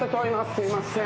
すいません。